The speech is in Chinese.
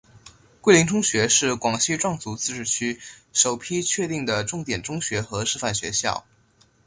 桂林中学是广西壮族自治区首批确定的重点中学和示范学校。